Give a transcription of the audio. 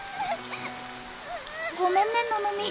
ごめんねののみ。